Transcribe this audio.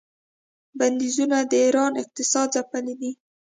بندیزونو د ایران اقتصاد ځپلی دی.